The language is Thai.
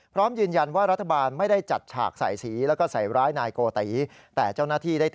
พร้อมยืนยันว่ารัฐบาลไม่ได้จัดฉากใส่สีและก็ใส่ล้ายนายโกฏตี